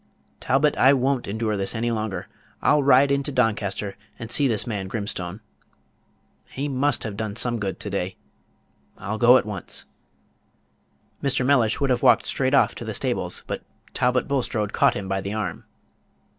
Talbot I won't endure this any longer. I'll ride into Doncaster and see this man Grimstone. He must have done some good to day. I'll go at once." Mr. Mellish would have walked straight off to the stables; but Talbot Bulstrode caught him by the arm.